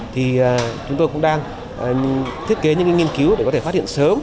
thì chúng tôi cũng đang thiết kế những nghiên cứu để có thể phát hiện sớm